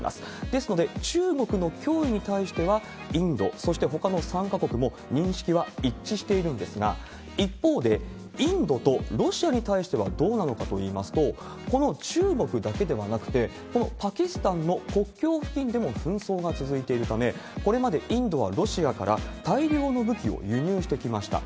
ですので、中国の脅威に対しては、インド、そしてほかの３か国も認識は一致しているんですが、一方でインドとロシアに対してはどうなのかといいますと、この中国だけではなくて、このパキスタンの国境付近でも紛争が続いているため、これまでインドはロシアから大量の武器を輸入してきました。